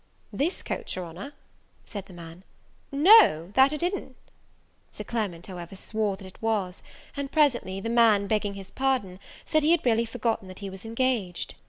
"This coach, your honour!" said the man; "no, that it i'n't." Sir Clement, however, swore that it was; and presently, the man, begging his pardon, said he had really forgotten that he was engaged.